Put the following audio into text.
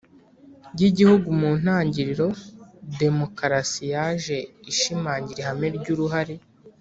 Y igihugu mu ntangiriro demukarasi yaje ishimangira ihame ry uruhare